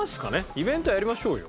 イベントやりましょうよ。